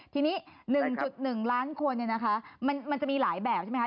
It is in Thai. ทีนี้หนึ่งจุดหนึ่งล้านคนเนี่ยนะคะมันมันจะมีหลายแบบใช่ไหมคะ